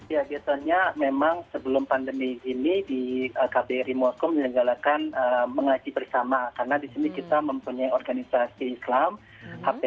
ya biasanya memang sebelum pandemi ini di kbri moskow menyenggalakan mengaji bersama karena di sini kita mempunyai organisasi islam